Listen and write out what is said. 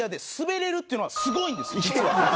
実は。